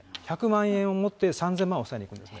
１００万円をもって３０００万を押さえにいくんです。